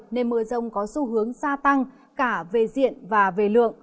nên mưa rông có xu hướng gia tăng cả về diện và về lượng